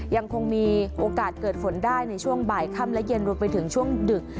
ยังคงมีโอกาสเกิดฝนได้ในช่วงบ่ายค่ำและเย็นรวมไปถึงช่วงดึก